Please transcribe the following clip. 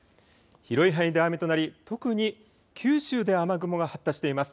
広い範囲で雨となり特に九州で雨雲が発達しています。